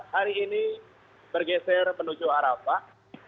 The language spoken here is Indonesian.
hari ini bergeser menuju arafah